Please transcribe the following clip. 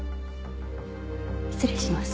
失礼します。